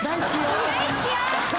「大好きよ」